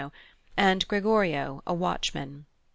and Gregorio, a watchman.